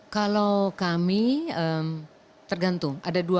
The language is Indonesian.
kalau kami tergantung